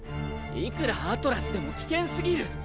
いくらアトラスでも危険すぎる！